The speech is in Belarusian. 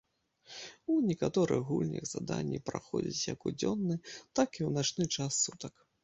У некаторых гульнях заданні праходзяць як у дзённы, так і ў начны час сутак.